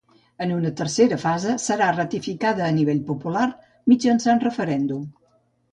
En una tercera fase serà ratificada a nivell popular mitjançant referèndum.